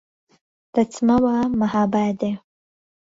دهچمهوه مههابادێ